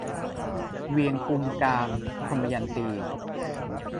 เวียงกุมกาม - ทมยันตี